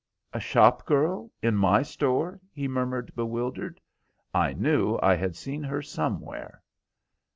"A shop girl in my store?" he murmured, bewildered. "I knew I had seen her somewhere."